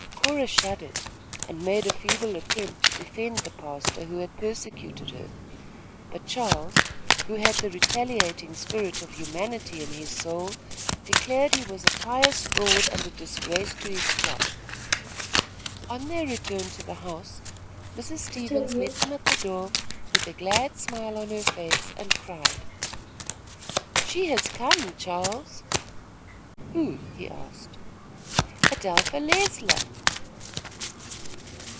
Cora shuddered and made a feeble effort to defend the pastor who had persecuted her; but Charles, who had the retaliating spirit of humanity in his soul, declared he was a pious fraud and a disgrace to his cloth. On their return to the house, Mrs. Stevens met them at the door with a glad smile on her face, and cried: "She has come, Charles." "Who?" he asked. "Adelpha Leisler."